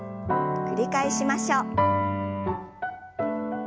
繰り返しましょう。